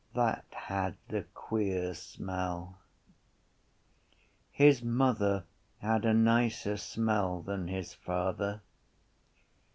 That had the queer smell. His mother had a nicer smell than his father.